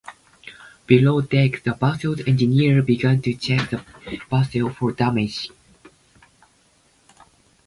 Below deck, the vessel's engineers began to check the vessel for damage.